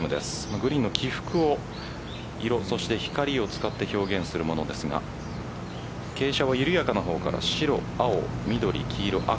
グリーンの起伏を色そして光を使って表現するものですが傾斜は緩やかな方から白、青、緑、黄色、赤。